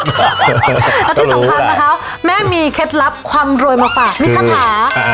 แล้วที่สำคัญนะคะแม่มีเคล็ดลับความรวยมาฝากมิคาถา